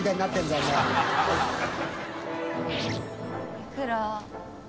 いくら？